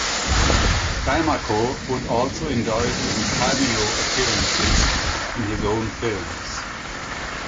Climaco would also indulge in cameo appearances in his own films.